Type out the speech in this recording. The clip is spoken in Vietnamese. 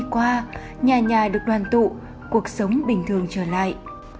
từ khi trở thành f các bệnh viện đã được đoàn tụ cuộc sống bình thường trở lại